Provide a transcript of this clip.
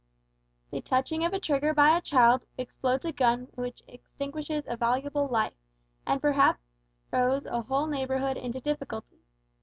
The touching of a trigger by a child explodes a gun which extinguishes a valuable life, and perhaps throws a whole neighbourhood into difficulties.